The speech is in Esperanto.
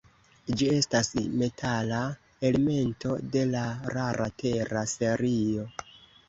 Ĝi estas metala elemento de la rara tera serio.